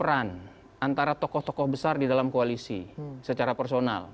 peran antara tokoh tokoh besar di dalam koalisi secara personal